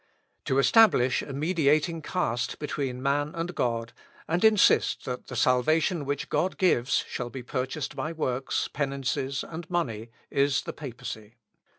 To establish a mediating caste between man and God, and insist that the salvation which God gives shall be purchased by works, penances, and money, is the Papacy.